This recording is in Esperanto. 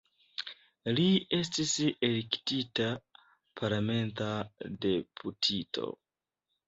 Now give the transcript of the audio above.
Li estis elektita parlamenta deputito.